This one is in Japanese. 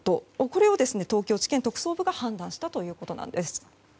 これを東京地検特捜部が判断したということなんです。